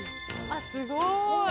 あっすごい！